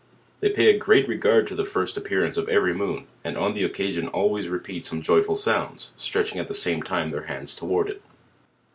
They pay a groat regard to the first appearance of every moon; and on the occasion always repeat some joyful sounds, stretching at the same time their hands towards it.